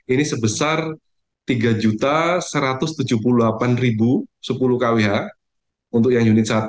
ini sebesar tiga satu ratus tujuh puluh delapan sepuluh kwh untuk yang unit satu